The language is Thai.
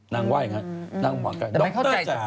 นางว่างงี้นางโหมาใกล้ดอกเตอร์ชะ